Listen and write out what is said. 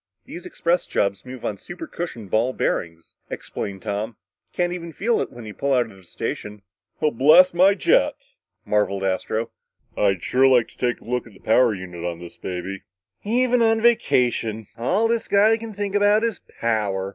"These express jobs move on supercushioned ball bearings," explained Tom. "You can't even feel it when you pull out of the station." "Blast my jets!" marveled Astro. "I'd sure like to take a look at the power unit on this baby." "Even on a vacation, all this guy can think about is power!"